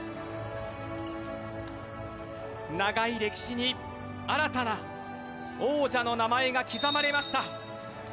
長い歴史に新たな王者の名前が刻まれました。